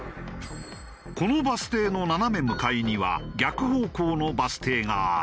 このバス停の斜め向かいには逆方向のバス停がある。